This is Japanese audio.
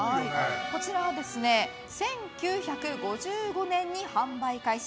こちらは１９５５年に販売開始。